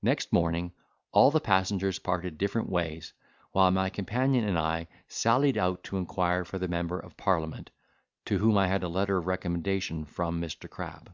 Next morning all the passengers parted different ways, while my companion and I sallied out to inquire for the member of parliament, to whom I had a letter of recommendation from Mr. Crab.